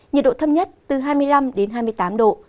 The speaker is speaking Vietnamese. nhiệt độ thấp nhất từ hai mươi năm đến hai mươi tám độ